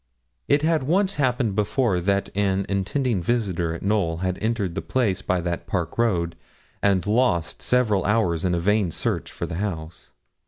It had once happened before that an intending visitor at Knowl had entered the place by that park road, and lost several hours in a vain search for the house.